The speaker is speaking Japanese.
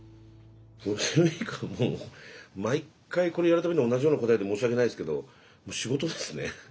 ゴールデンウイークはもう毎回これやる度に同じような答えで申し訳ないですけどもう仕事ですね。